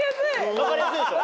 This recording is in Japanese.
分かりやすいでしょ？